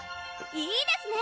いいですね